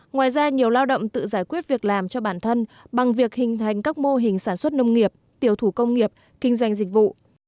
ngoài ra nhiều lao động tự giải quyết việc làm cho bản thân bằng việc hình thành các mô hình sản xuất nông nghiệp tiểu thủ công nghiệp kinh doanh dịch vụ